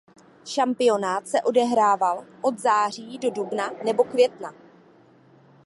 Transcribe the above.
Šampionát se odehrával od září do dubna nebo května.